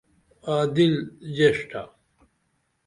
عادل جیڜٹہ